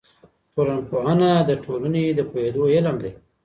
ټولنپوهنه د ټولني د پوهېدو علم دی.